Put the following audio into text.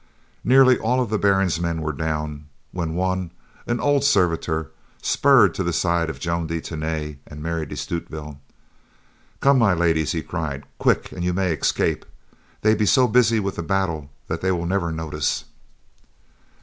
Nearly all of the Baron's men were down, when one, an old servitor, spurred to the side of Joan de Tany and Mary de Stutevill. "Come, my ladies," he cried, "quick and you may escape. They be so busy with the battle that they will never notice."